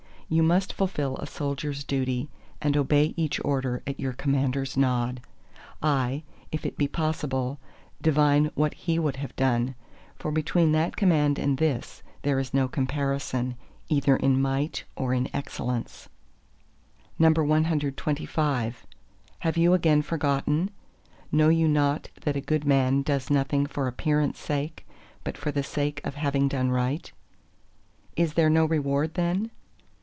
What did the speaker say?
You must fulfil a soldier's duty, and obey each order at your commander's nod: aye, if it be possible, divine what he would have done; for between that Command and this, there is no comparison, either in might or in excellence. CXXVI Have you again forgotten? Know you not that a good man does nothing for appearance' sake, but for the sake of having done right? ... "Is there no reward then?"